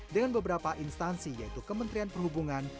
dengan beberapa instansi yaitu kementerian perhubungan